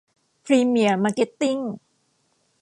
พรีเมียร์ มาร์เก็ตติ้ง